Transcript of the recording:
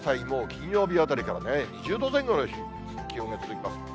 もう金曜日あたりから２０度前後の気温が続きます。